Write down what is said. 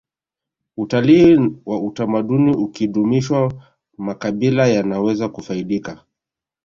utalii wa utamaduni ukidumishwa makabila yanaweza kufaidika